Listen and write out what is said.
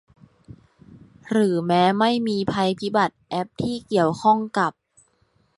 หรือแม้ไม่มีภัยพิบัติแอปที่เกี่ยวข้องกับ